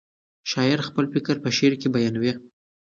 شاعر خپل فکر په شعر کې بیانوي.